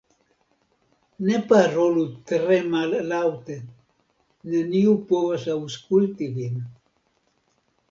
Ne parolu tre mallaŭte, neniu povas aŭskutil vin